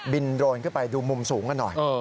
โดรนขึ้นไปดูมุมสูงกันหน่อย